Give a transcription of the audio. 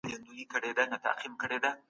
په ښارونو کي باید د کثافاتو مخه ونیول سي.